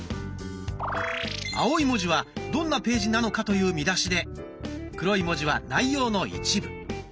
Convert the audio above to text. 青い文字はどんなページなのかという見出しで黒い文字は内容の一部。